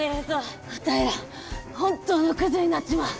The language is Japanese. あたいら本当のクズになっちまう。